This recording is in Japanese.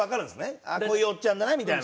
こういうおっちゃんだなみたいな。